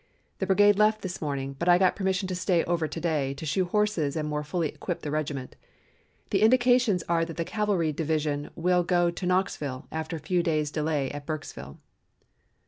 The brigade left this morning, but I got permission to stay over to day to shoe horses and more fully equip the regiment. The indications are that the cavalry division will go direct to Knoxville, after a few days' delay at Burksville."